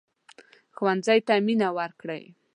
ښوونځی ته مينه ورکړئ